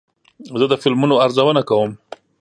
زه د فلمونو ارزونه کوم.